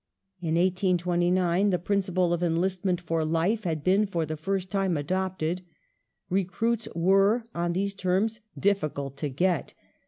In 1829 the principle of enlistment for life had been for the first time adopted. Recruits were, on these terms, difficult to get.